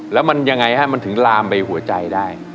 แล้วมันยังไงฮะมันถึงลามไปหัวใจได้